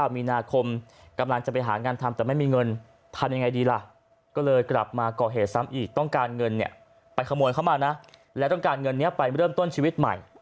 มีนาคมกำลังจะไปหางานทำแต่ไม่มีเงินทำยังไงดีล่ะก็เลยกลับมาก่อเหตุซ้ำอีกต้องการเงินเนี่ยไปขโมยเข้ามานะและต้องการเงินนี้ไปเริ่มต้นชีวิตใหม่